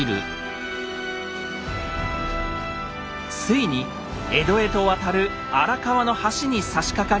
ついに江戸へと渡る荒川の橋にさしかかりました。